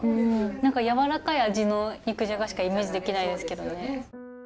何かやわらかい味の肉じゃがしかイメージできないですけどね。